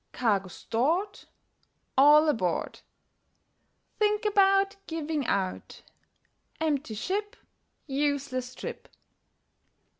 Cargo stored, All aboard, Think about Giving out. Empty ship, Useless trip!